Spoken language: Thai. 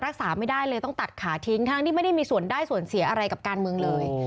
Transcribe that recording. รักษาไม่ได้เลยต้องตัดขาทิ้งทั้งที่ไม่ได้มีส่วนได้ส่วนเสียอะไรกับการเมืองเลย